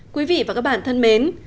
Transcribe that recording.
quý vị và các bạn thân mến